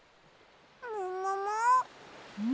ももも？